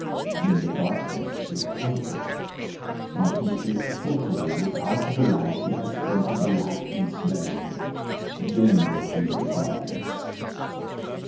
When the darkness is perfect, when he is totally without the light he has spent the light in slaying, then will he know darkness.